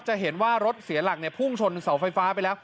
จะเห็นว่ารถเสียหลักพุ่งชนเสาไฟฟ้าไปแล้ว